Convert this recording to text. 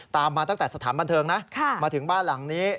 มาตั้งแต่สถานบันเทิงนะมาถึงบ้านหลังนี้